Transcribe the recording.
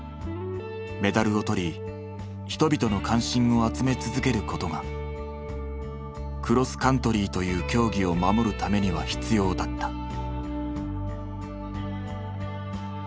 メダルを取り人々の関心を集め続けることがクロスカントリーという競技を守るためには必要だった。